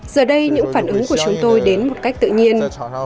giờ đây những phản ứng của chúng tôi đến một cách tự nhiên